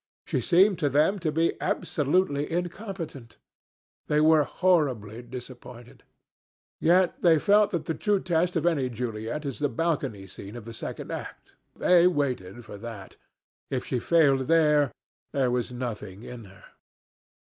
She seemed to them to be absolutely incompetent. They were horribly disappointed. Yet they felt that the true test of any Juliet is the balcony scene of the second act. They waited for that. If she failed there, there was nothing in her.